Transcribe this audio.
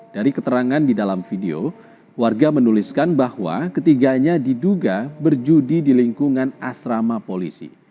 dari keterangan di dalam video warga menuliskan bahwa ketiganya diduga berjudi di lingkungan asrama polisi